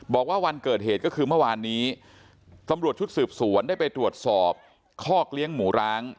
บอกว่าวันเกิดเหตุก็คือเมื่อวานนี้ตำรวจชุดสืบสวนได้ไปตรวจสอบคอกเลี้ยงหมูร้าง